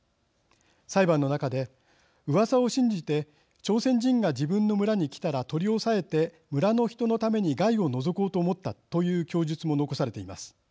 裁判の中でうわさを信じて朝鮮人が自分の村に来たら取り押さえて村の人のために害を除こうと思ったという供述も残されています。